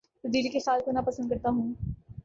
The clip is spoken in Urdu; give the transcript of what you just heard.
تبدیلی کے خیال کو نا پسند کرتا ہوں